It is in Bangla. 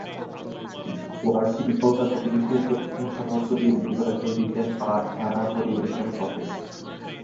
ওয়ার্ডটি কলকাতা পুলিশের দক্ষিণ শহরতলির বিভাগের রিজেন্ট পার্ক থানা পরিবেশন করে।